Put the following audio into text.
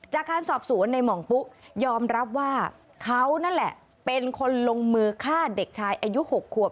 จากการสอบสวนในหม่องปุ๊ยอมรับว่าเขานั่นแหละเป็นคนลงมือฆ่าเด็กชายอายุ๖ขวบ